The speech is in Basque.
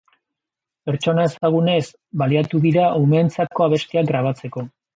Pertsona ezagunez baliatu dira umeentzako abestiak grabatzeko.